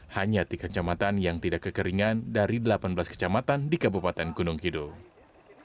hanya tiga kecamatan yang tidak kekeringan dari delapan belas kecamatan di kabupaten gunung kidul